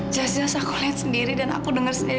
jelas jelas aku lihat sendiri dan aku denger sendiri